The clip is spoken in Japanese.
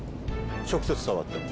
直接触っても？